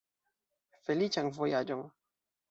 Feliĉan vojaĝon!